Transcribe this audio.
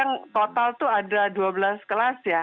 nah kita pilih s tiga ya